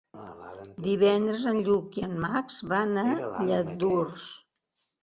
Divendres en Lluc i en Max van a Lladurs.